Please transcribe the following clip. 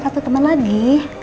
aku temen lagi